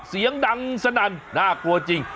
เสียงดังสนั่นน่ากลัวจริง